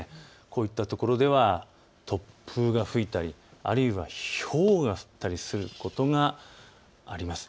こういったところでは突風が吹いたりあるいはひょうが降ったりすることがあります。